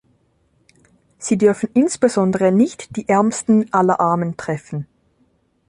Sie dürfen insbesondere nicht die Ärmsten aller Armen treffen.